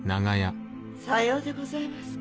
さようでございますか。